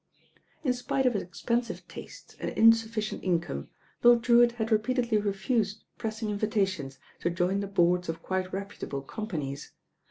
In spite of his expensive tastes and insufficient income, Lord Drewitt had repeatedly refused press ing invitations to join the Boards of quite reputable companies.